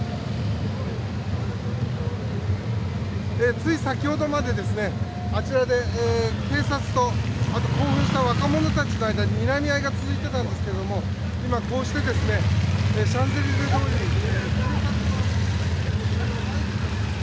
つい先ほどまであちらで、警察と興奮した若者たちの間でにらみ合いが続いていたんですけれども今、こうしてシャンゼリゼ通りですね。